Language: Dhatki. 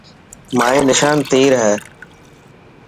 مايو نشان تير هي.